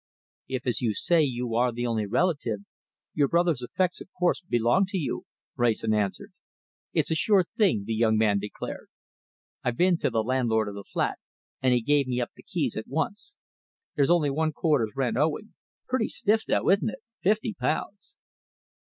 "If, as you say, you are the only relative, your brother's effects, of course, belong to you," Wrayson answered. "It's a sure thing," the young man declared. "I've been to the landlord of the flat, and he gave me up the keys at once. There's only one quarter's rent owing. Pretty stiff though isn't it? Fifty pounds!"